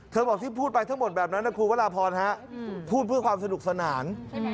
บอกที่พูดไปทั้งหมดแบบนั้นนะครูวราพรพูดเพื่อความสนุกสนาน